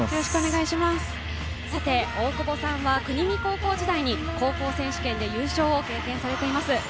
さて、大久保さんは国見高校時代に高校選手権で優勝を経験されています